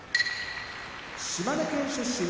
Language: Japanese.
島根県出身